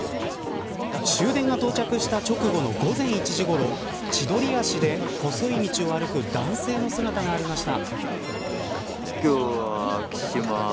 終電が到着した直後の午前１時ごろ千鳥足で細い道を歩く男性の姿がありました。